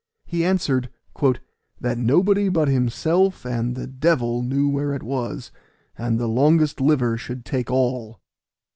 He answered, "That nobody but himself and the devil knew where it was, and the longest liver should take all."